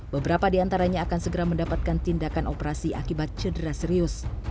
beberapa di antaranya akan segera mendapatkan tindakan operasi akibat cedera serius